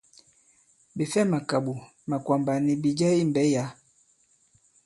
Ɓè fɛ màkàɓò, màkwàmbà nì bìjɛ i mbɛ̌ yǎ.